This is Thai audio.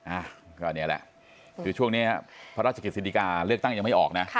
อ่ะก็นี่แหละคือช่วงนี้พระราชกิจสิริกาเลือกตั้งยังไม่ออกนะ